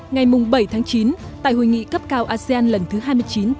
ngày bảy chín tại hội nghị cấp cao asean lần thứ hai mươi chín tại viên trăn lào